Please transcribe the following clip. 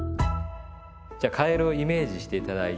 じゃあカエルをイメージして頂いて。